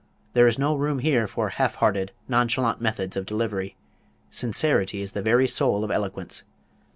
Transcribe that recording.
There is no room here for half hearted, nonchalant methods of delivery. Sincerity is the very soul of eloquence.